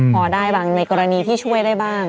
พอได้บางในกรณีที่ช่วยได้บ้าง